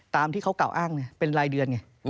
ตามที่เขากล่าวอ้างเป็นรายเดือนไง